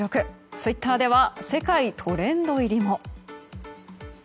ツイッターでは世界トレンド入りも。